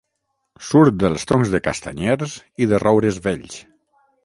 Surt dels troncs de castanyers i de roures vells.